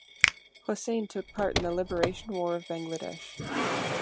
Hossain took part in the Liberation War of Bangladesh.